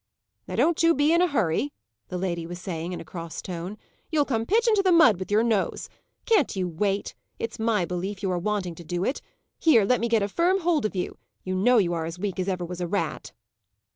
"Now don't you be in a hurry!" the lady was saying, in a cross tone. "You'll come pitch into the mud with your nose. Can't you wait? It's my belief you are wanting to do it. Here, let me get firm hold of you; you know you are as weak as ever was a rat!"